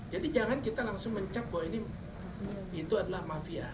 jadi jangan kita langsung mengecek bahwa itu adalah mafia